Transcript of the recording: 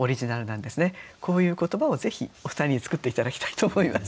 こういう言葉をぜひお二人に作って頂きたいと思います。